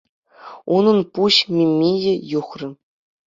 Унӑн пуҫ мимийӗ юхрӗ...